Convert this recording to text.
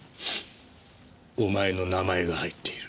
お前の名前が入っている。